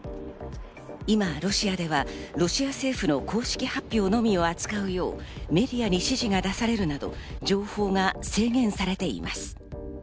今ロシアではロシア政府の公式発表のみを扱うようメディアに指示が出されるなど、情報が制限されています。